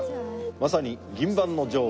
まさに銀盤の女王。